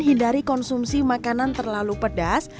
hindari konsumsi makanan terlalu pedas